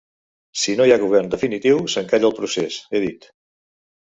Si no hi ha govern definitiu s’encalla el procés, he dit.